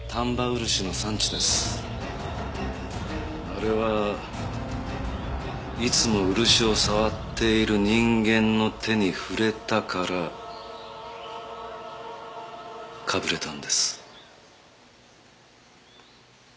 あれはいつも漆を触っている人間の手に触れたからかぶれたんです。